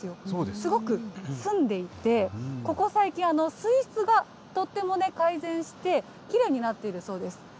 すごく澄んでいて、ここ最近、水質がとっても改善して、きれいになっているそうです。